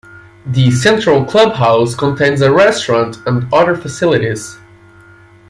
The central club house contains a restaurant and other facilities.